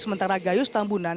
sementara gayus tambunan